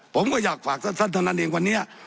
ผมก็อยากฝากสั้นเท่านั้นเองวันนี้